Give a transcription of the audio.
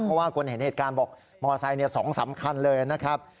เพราะว่าคนเห็นเหตุการณ์บอกมอเซ้นเนี่ยสองสำคัญเลยนะครับ